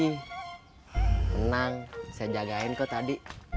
tenang saya jagain kau tadi